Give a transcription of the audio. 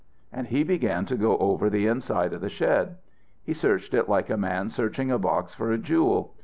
"And he began to go over the inside of the shed. He searched it like a man searching a box for a jewel.